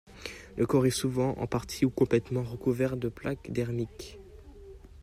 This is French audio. Le corps est souvent, en partie ou complètement, recouvert de plaques dermiques.